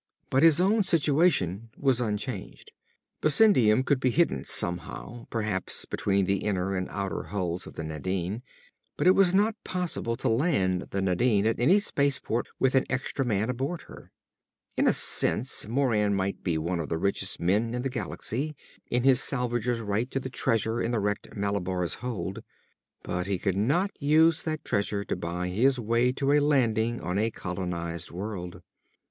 But his own situation was unchanged. Bessendium could be hidden somehow, perhaps between the inner and outer hulls of the Nadine. But it was not possible to land the Nadine at any space port with an extra man aboard her. In a sense, Moran might be one of the richest men in the galaxy in his salvagers' right to the treasure in the wrecked Malabar's hold. But he could not use that treasure to buy his way to a landing on a colonized world.